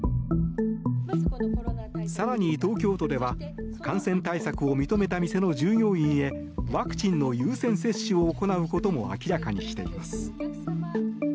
更に、東京都では感染対策を認めた店の従業員へワクチンの優先接種を行うことも明らかにしています。